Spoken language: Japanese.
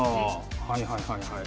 はいはいはいはい。